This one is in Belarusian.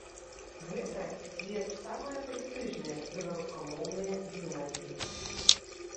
Гэта дзве самыя прэстыжныя беларускамоўныя гімназіі.